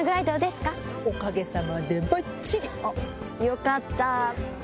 よかった！